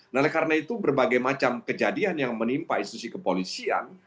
nah karena itu berbagai macam kejadian yang menimpa institusi kepolisian